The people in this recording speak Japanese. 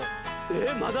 えっまだ？